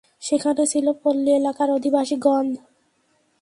সেখানে ছিল পল্লী এলাকার অধিবাসিগণ।